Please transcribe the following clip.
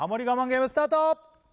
ゲームスタート